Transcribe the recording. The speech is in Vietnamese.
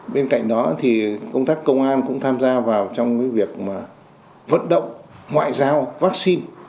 bên cạnh đó thì công tác công an cũng tham gia vào trong việc vận động ngoại giao vaccine